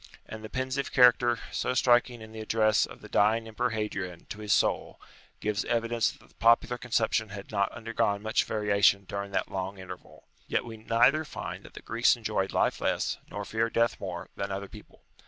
And the pensive character so striking in the address of the dying emperor Hadrian to his soul, gives evidence that the popular conception had not undergone much variation during that long interval. Yet we neither find that the Greeks enjoyed life less, nor feared death more, than other people.